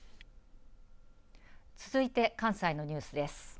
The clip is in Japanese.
続いて関西のニュースです。